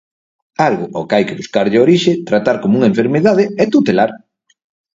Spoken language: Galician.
Algo ao que hai que buscarlle a orixe, tratar como unha enfermidade e tutelar.